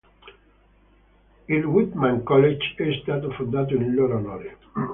Il Whitman College è stato fondato in loro onore.